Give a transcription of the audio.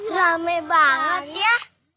rame banget ya